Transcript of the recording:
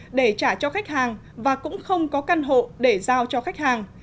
không thu hồi được để trả cho khách hàng và cũng không có căn hộ để giao cho khách hàng